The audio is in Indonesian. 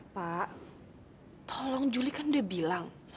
pak tolong juli kan dia bilang